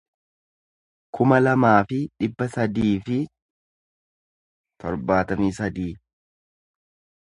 kuma lamaa fi dhibba sadii fi torbaatamii sadii